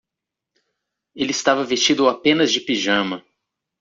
Ele estava vestido apenas de pijama.